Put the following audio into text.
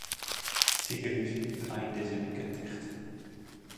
It sikehús giet ein dizze wike ticht.